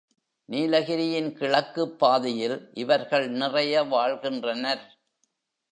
நீலகிரியின் கிழக்குப்பாதியில் இவர்கள் நிறைய வாழ்கின்றனர்.